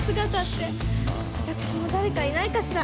私も誰かいないかしら？